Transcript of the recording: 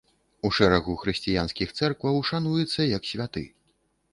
У шэрагу хрысціянскіх цэркваў шануецца як святы.